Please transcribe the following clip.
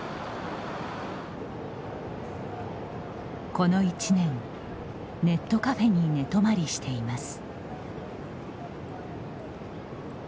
この１年、ネットカフェに寝泊まりしています。